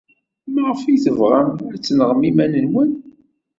Maɣef ay tebɣam ad tenɣem iman-nwen?